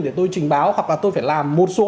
để tôi trình báo hoặc là tôi phải làm một số